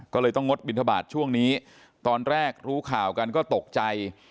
ก็เลยต้องงดบินทบาทช่วงนี้ตอนแรกรู้ข่าวกันก็ตกใจ